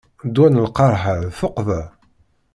Ddwa n lqerḥ-a d tuqqda.